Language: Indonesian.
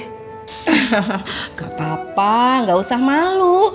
gak apa apa gak usah malu